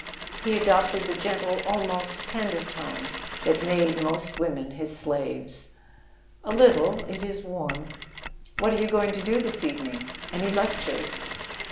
He adopted the gentle, almost tender tone that made most women his slaves. "A little. It is warm." "What are you going to do this evening? Any lectures?"